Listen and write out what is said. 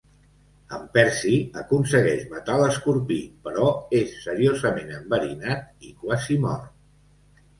En Percy aconsegueix matar l'escorpí, però és seriosament enverinat i quasi mor.